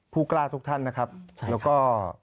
ผู้กล้าทุกท่านนะครับใช่ครับแล้วก็